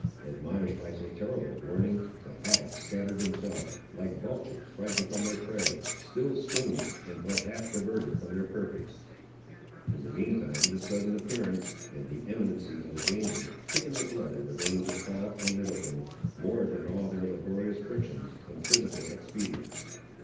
Admonished by so terrible a warning, the hags scattered themselves, like vultures frightened from their prey, still screaming, and but half diverted from their purpose. In the mean time the sudden appearance, and the imminency of the danger, quickened the blood in the veins of Paul and Middleton, more than all their laborious frictions, and physical expedients.